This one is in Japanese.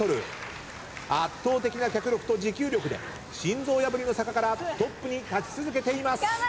圧倒的な脚力と持久力で心臓破りの坂からトップに立ち続けています。